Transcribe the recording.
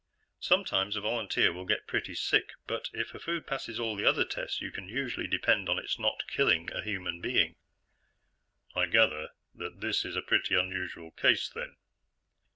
Sometimes a volunteer will get pretty sick, but if a food passes all the other tests, you can usually depend on its not killing a human being." "I gather that this is a pretty unusual case, then?"